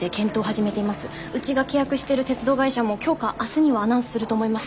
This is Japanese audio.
うちが契約してる鉄道会社も今日か明日にはアナウンスすると思います。